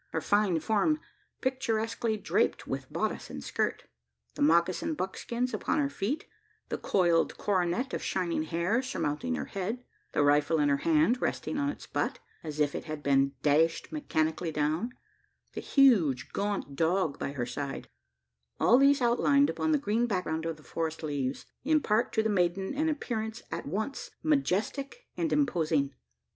Her fine form picturesquely draped with bodice and skirt; the moccasin buskins upon her feet; the coiled coronet of shining hair surmounting her head; the rifle in her hand, resting on its butt, as it had been dashed mechanically down; the huge gaunt dog by her side all these outlined upon the green background of the forest leaves, impart to the maiden an appearance at once majestic and imposing.